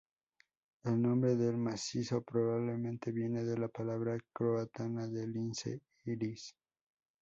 El nombre del macizo probablemente viene de la palabra croata del lince, "ris".